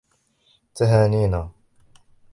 تهانينا!